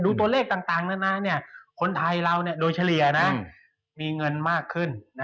ตัวเลขต่างคนไทยเราโดยเฉลี่ยมีเงินมากขึ้น